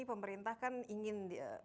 pemerintah kan ingin